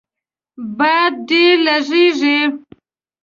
باد ډیر لږیږي